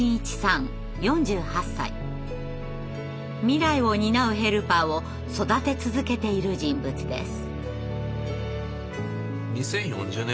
未来を担うヘルパーを育て続けている人物です。